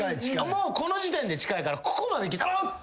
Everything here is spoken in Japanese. もうこの時点で近いからここまで来たらうっ！